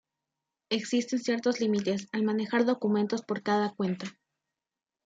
Existen ciertos límites al manejar documentos por cada cuenta.